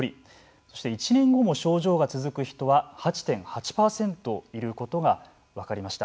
そして、１年後も症状が続く人は８．８％いることが分かりました。